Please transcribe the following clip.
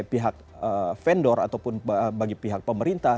pihak vendor ataupun bagi pihak pemerintah